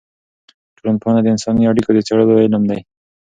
ټولنپوهنه د انساني اړیکو د څېړلو علم دی.